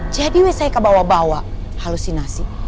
jadi weh saya kebawa bawa halusinasi